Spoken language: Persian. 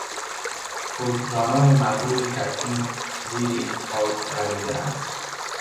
حکمرانان مغروری که اکنون زیر این خاک غنودهاند